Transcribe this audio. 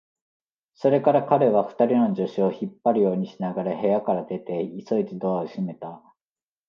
それから彼は、二人の助手を引っ張るようにしながら部屋から出て、急いでドアを閉めた。